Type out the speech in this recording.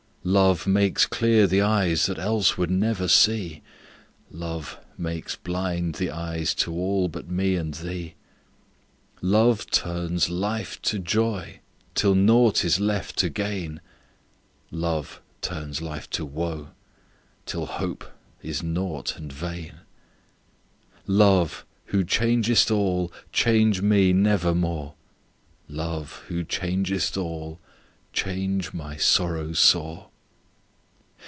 Love makes clear the eyes that else would never see: "Love makes blind the eyes to all but me and thee." Love turns life to joy till nought is left to gain: "Love turns life to woe till hope is nought and vain." Love, who changest all, change me nevermore! "Love, who changest all, change my sorrow sore!"